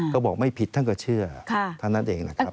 ก็บอกไม่ผิดท่านก็เชื่อเท่านั้นเองนะครับ